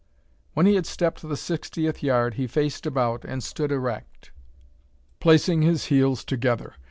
When he had stepped the sixtieth yard, he faced about, and stood erect, placing his heels together.